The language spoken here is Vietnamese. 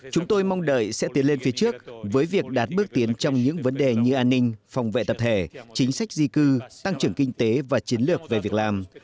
chúng tôi mong đợi sẽ tiến lên phía trước với việc đạt bước tiến trong những vấn đề như an ninh phòng vệ tập thể chính sách di cư tăng trưởng kinh tế và chiến lược về việc làm